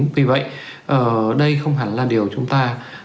tuy vậy đây không hẳn là điều chúng ta